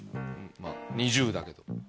まぁ２０だけど。